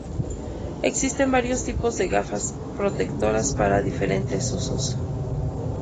Existen varios tipos de gafas protectoras para diferentes usos.